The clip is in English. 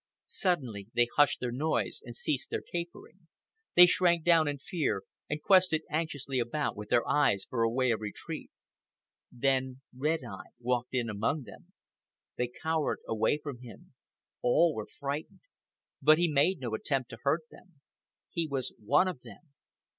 Suddenly they hushed their noise and ceased their capering. They shrank down in fear, and quested anxiously about with their eyes for a way of retreat. Then Red Eye walked in among them. They cowered away from him. All were frightened. But he made no attempt to hurt them. He was one of them.